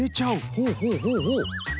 ほうほうほうほう。